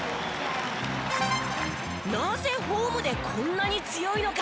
なぜホームでこんなに強いのか？